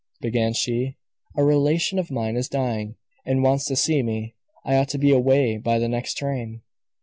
began she. "A relation of mine is dying, and wants to see me. I ought to be away by the next train."